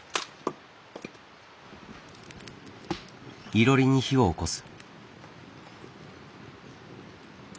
いろりに火をおこす。